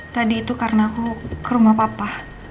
tadi itu karena aku ke rumah papa